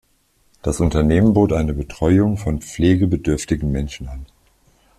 Das Unternehmen bot eine Betreuung von pflegebedürftigen Menschen an.